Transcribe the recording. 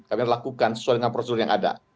kami lakukan sesuai dengan prosedur yang ada